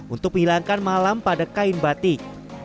untuk menghilangkan malam pada kain batik